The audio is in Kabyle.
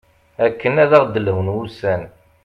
akken ad aɣ-d-lhun wussan